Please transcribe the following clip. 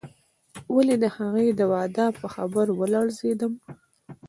ولې د هغې د واده په خبر ولړزېدم.